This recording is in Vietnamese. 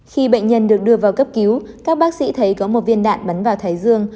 khi bệnh nhân được đưa vào cấp cứu các bác sĩ thấy có một viên đạn bắn vào thái dương